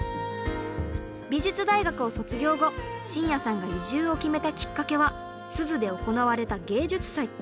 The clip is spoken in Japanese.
美術大学を卒業後新谷さんが移住を決めたきっかけは珠洲で行われた芸術祭。